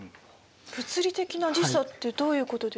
物理的な時差ってどういうことですか？